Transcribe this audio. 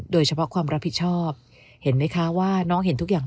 โดยเฉพาะความรับผิดชอบเห็นไหมคะว่าน้องเห็นทุกอย่าง